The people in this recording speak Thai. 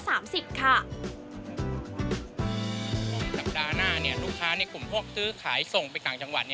สัปดาห์หน้าลูกค้าในกลุ่มพวกซื้อขายส่งไปต่างจังหวัด